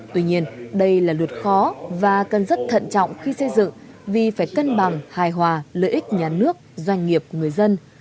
tuy nhiên đây là luật khó và cần rất thận trọng khi xây dựng vì phải cân bằng hài hòa lợi ích nhà nước doanh nghiệp của người dân